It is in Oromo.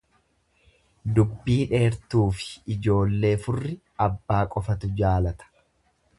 Dubbii dheertuufi ijoollee furri, abbaa qofatu jaalata.